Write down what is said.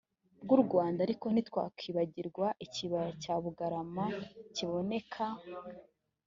bw u rwanda ariko ntitwakwibagirwa ikibaya cya bugarama kiboneka